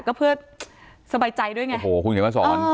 ก็เพื่อสบายใจด้วยไงโอ้โหคุณเขียนมาสอน